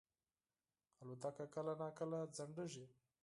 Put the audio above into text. الوتکه کله ناکله ځنډېږي.